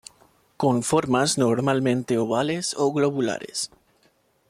Con formas normalmente ovales o globulares.